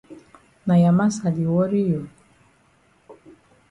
Na ya massa di worry you?